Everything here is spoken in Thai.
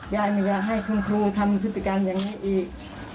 ไม่อยากให้คุณครูทำพฤติการอย่างนี้อีก